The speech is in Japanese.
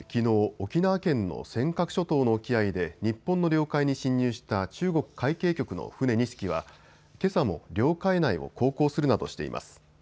沖縄県の尖閣諸島の沖合で日本の領海に侵入した中国海警局の船２隻はけさも領海内を航行するなどしています。